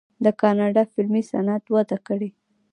د کاناډا فلمي صنعت وده کړې.